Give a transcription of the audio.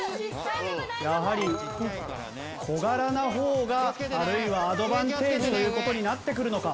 やはり小柄な方があるいはアドバンテージという事になってくるのか。